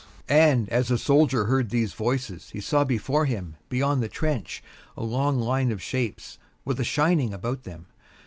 And as the soldier heard these voices he saw before him, beyond the trench, a long line of shapes, with a shining about them.